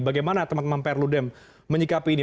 bagaimana teman teman pr ludem menyikapi ini